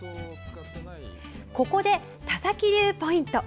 ここで、田崎流ポイント！